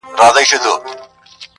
زه د سر په بدله ترې بوسه غواړم,